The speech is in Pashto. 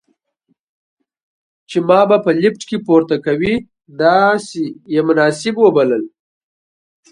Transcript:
چې ما به په لفټ کې پورته کوي، داسې یې مناسب وبلله.